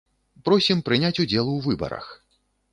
Просім прыняць удзел у выбарах!